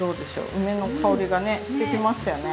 梅の香りがねしてきましたよね。